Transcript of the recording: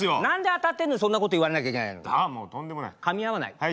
何で当たってんのにそんなこと言われなきゃいけないの。はあもうとんでもない。